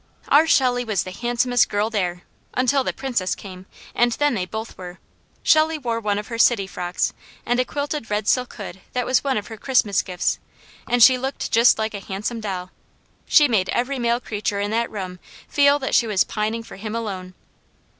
Our Shelley was the handsomest girl there, until the Princess came, and then they both were. Shelley wore one of her city frocks and a quilted red silk hood that was one of her Christmas gifts, and she looked just like a handsome doll. She made every male creature in that room feel that she was pining for him alone.